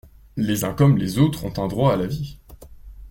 Les uns comme les autres ont un droit à la vie.